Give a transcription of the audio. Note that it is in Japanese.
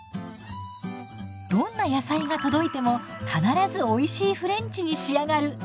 どんな野菜が届いても必ずおいしいフレンチに仕上がる！